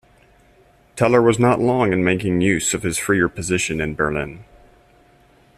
Teller was not long in making use of his freer position in Berlin.